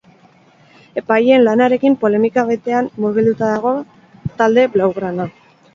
Epaileen lanarekin polemika betean murgilduta dago talde blaugrana.